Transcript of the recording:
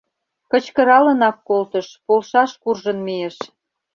Кычкыралынак колтыш, полшаш куржын мийыш: